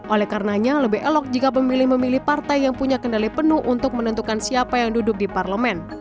oleh karenanya lebih elok jika pemilih memilih partai yang punya kendali penuh untuk menentukan siapa yang duduk di parlemen